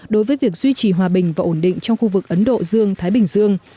đối với việc duy trì hòa bình và ổn định trong khu vực ấn độ dương thái bình dương